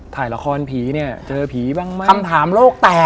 ถ่ายละครผีเนี่ยเจอผีบ้างไหมคำถามโลกแตก